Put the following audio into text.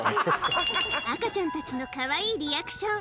赤ちゃんたちのかわいいリアクション。